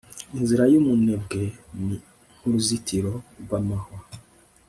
inzira y'umunebwe ni nk'uruzitiro rw'amahwa